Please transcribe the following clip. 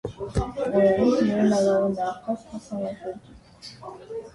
Օրերից մի օր նա դառնում է աղքատ թափառաշրջիկ։